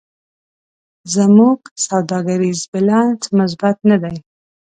زموږ سوداګریز بیلانس مثبت نه دی.